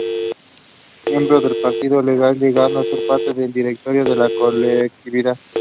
Miembro del Partido Liberal, llegando a ser parte del directorio de la colectividad.